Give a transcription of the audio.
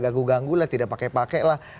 mengganggu lah tidak pakai pakailah